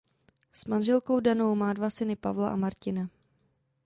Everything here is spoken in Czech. S manželkou Danou má syny Pavla a Martina.